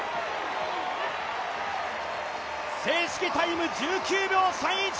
正式タイム１９秒３１。